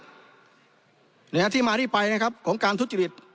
ในหน้าที่มาที่ไปนะครับของการทุจิฤทธิ์